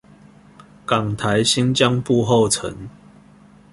港台新彊步後塵